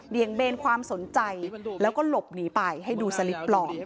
เดี๋ยงเบนความสนใจแล้วก็หลบหนีไปให้ดูสลิปหล่อ